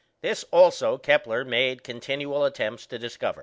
This also Kepler made continual attempts to discover.